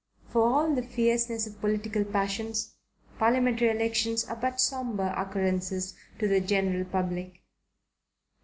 For all the fierceness of political passions, parliamentary elections are but sombre occurrences to the general public.